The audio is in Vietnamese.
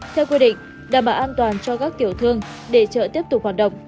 theo quy định đảm bảo an toàn cho các tiểu thương để chợ tiếp tục hoạt động